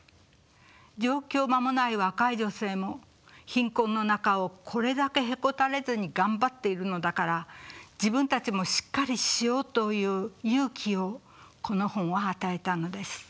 上京間もない若い女性も貧困の中をこれだけへこたれずに頑張っているのだから自分たちもしっかりしようという勇気をこの本は与えたのです。